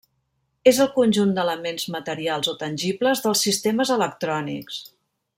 És el conjunt d'elements materials o tangibles dels sistemes electrònics.